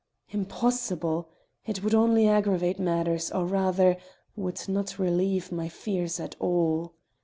"Impossible! It would only aggravate matters, or rather, would not relieve my fears at all.